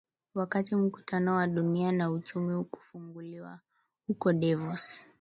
wakati mkutano wa dunia wa uchumi kufunguliwa huko davos